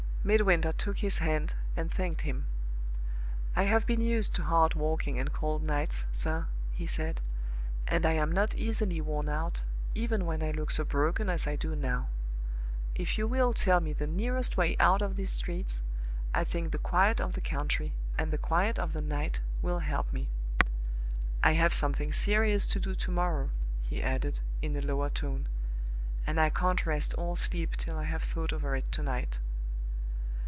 Midwinter took his hand and thanked him. "I have been used to hard walking and cold nights, sir," he said; "and I am not easily worn out, even when I look so broken as I do now. If you will tell me the nearest way out of these streets, I think the quiet of the country and the quiet of the night will help me. I have something serious to do to morrow," he added, in a lower tone; "and I can't rest or sleep till I have thought over it to night."